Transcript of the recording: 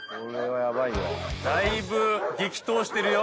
だいぶ激闘してるよ。